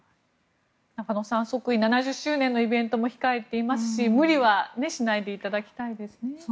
中野さん即位７０周年のイベントも控えていますし無理はしないでいただきたいですね。